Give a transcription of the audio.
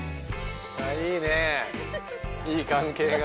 いいねいい関係が。